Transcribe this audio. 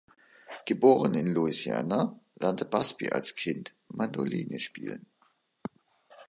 Geboren in Louisiana, lernte Busby als Kind Mandoline spielen.